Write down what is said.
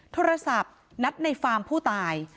โทรศัพท์นัดในฟาร์มผู้ตาย